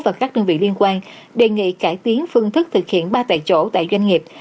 và các đơn vị liên quan đề nghị cải tiến phương thức thực hiện ba tại chỗ tại doanh nghiệp